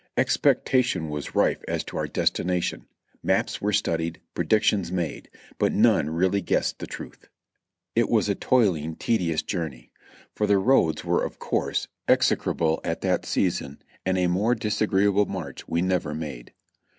Expectation was rife as to our destination ; maps were studied, predictions made, but none really guessed the truth. It was a toiling, tedious journey, for the roads were of course execrable at that season, and a more disagreeable march we never made.